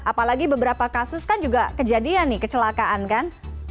apalagi beberapa kasus kan juga kejadian nih kecelakaan kan